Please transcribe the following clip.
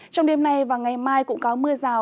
trong đêm nay và ngày mai cũng có mưa rào